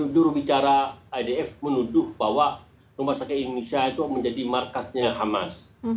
jurubicara idf menuduh bahwa rumah sakit indonesia itu menjadi markasnya hamas